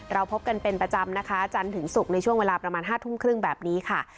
พบกันเป็นประจำนะคะจันทร์ถึงศุกร์ในช่วงเวลาประมาณ๕ทุ่มครึ่งแบบนี้ค่ะ